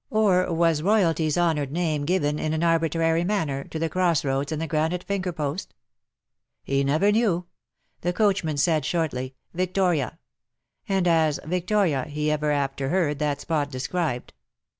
or was Royalty^s honoured name given^ in an arbitrary manner^ to the cross roads and the granite finger post ? He never knew. The coachman said shortly^ " Victoria/^ and a& " Victoria" he ever after heard that spot described.